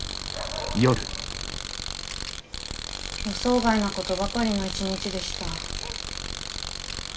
予想外なことばかりの一日でした。